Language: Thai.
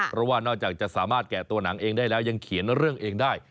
เพราะว่านอกจากจะสามารถแกะตัวหนังเองได้แล้วยังเขียนเรื่องเองได้